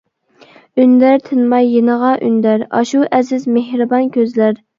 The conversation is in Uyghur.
ئۈندەر، تىنماي يېنىغا ئۈندەر، ئاشۇ ئەزىز، مېھرىبان كۆزلەر.